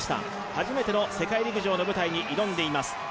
初めての世界陸上の舞台に挑んでいます。